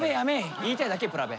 言いたいだけ「プラベ」。